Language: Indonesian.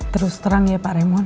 terus terang ya pak remo